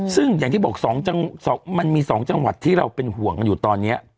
ซึ่งอย่างที่บอกมันมี๒จังหวัดที่เราเป็นห่วงกันอยู่ตอนนี้